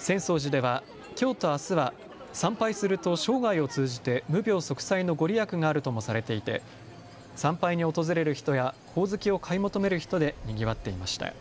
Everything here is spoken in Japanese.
浅草寺ではきょうとあすは参拝すると生涯を通じて無病息災の御利益があるともされていて参拝に訪れる人やほおずきを買い求める人でにぎわっていました。